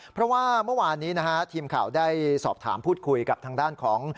เพราะว่าเมื่อวานนี้นะฮะทีมข่าวได้สอบถามพูดคุยกับทางด้านของ